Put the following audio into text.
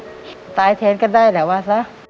สนใจเช้นก็ได้แหละวะ